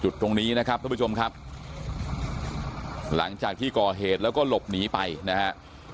จุดตรงนี้นะครับท่านผู้ชมครับหลังจากที่ก่อเหตุแล้วก็หลบหนีไปนะฮะ